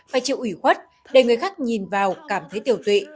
phải chịu ủi khuất để người khác nhìn vào cảm thấy tiểu tụy